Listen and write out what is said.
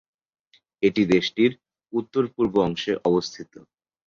এটি দেশটির উত্তর-পূর্ব অংশে অবস্থিত।